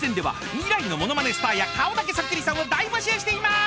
未来のものまねスターや顔だけそっくりさんを大募集しています。